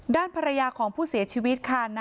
ด้านภรรยาของผู้เสียชีวิตค่ะนายเป็นใครนะครับ